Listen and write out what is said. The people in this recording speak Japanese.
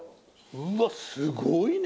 うわっすごいね！